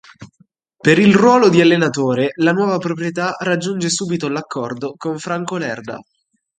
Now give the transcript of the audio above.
Per il ruolo di allenatore, la nuova proprietà raggiunge subito l'accordo con Franco Lerda.